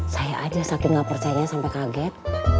saya aja sakit gak percaya sampe kaget